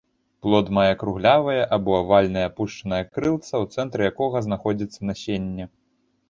Плод мае круглявае або авальнае апушчанае крылца, у цэнтры якога знаходзіцца насенне.